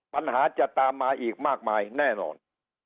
ปัญหาจะตามมาอีกมากมายแน่นอน